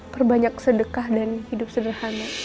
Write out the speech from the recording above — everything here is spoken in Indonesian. perbanyak sedekah dan hidup sederhana